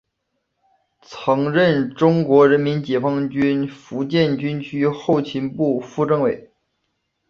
曾任中国人民解放军福建军区后勤部副政委。